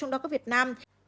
trong đó có việt nam